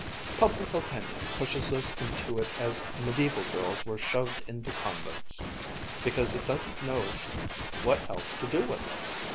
Public opinion pushes us into it as mediaeval girls were shoved into convents, because it doesn't know what else to do with us.